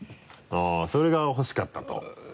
あっそれがほしかったと？